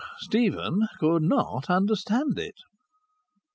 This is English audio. Stephen could not understand it.